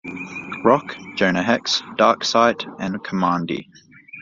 Rock, Jonah Hex, Darkseid, and Kamandi.